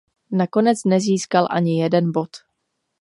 Nakonec nezískal ani jeden bod.